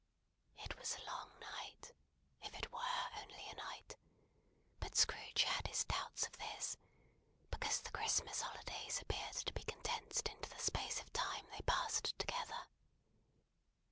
It was a long night, if it were only a night; but Scrooge had his doubts of this, because the Christmas Holidays appeared to be condensed into the space of time they passed together.